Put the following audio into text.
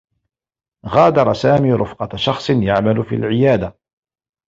غادر سامي رفقة شخص يعمل في العيادة.